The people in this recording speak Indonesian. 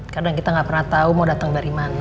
kadang kita ga pernah tau mau dateng dari mana